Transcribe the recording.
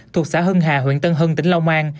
thuộc xã hưng hà huyện tân hưng tỉnh long an